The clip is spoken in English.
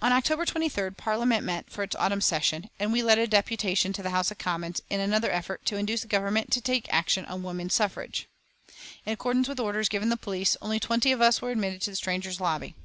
On October 23d Parliament met for its autumn session, and we led a deputation to the House of Commons in another effort to induce the Government to take action on woman suffrage. In accordance with orders given the police, only twenty of us were admitted to the Strangers' Lobby.